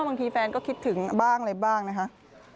บางทีแฟนก็คิดถึงบ้างเลยบ้างนะครับ